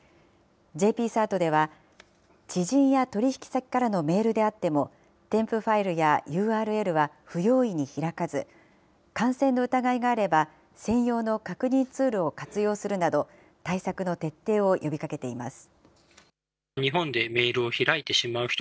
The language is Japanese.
ＪＰＣＥＲＴでは、知人や取り引き先からのメールであっても、添付ファイルやＵＲＬは不用意に開かず、感染の疑いがあれば、専用の確認ツールを活用するなど、対策の徹底を呼びかけています。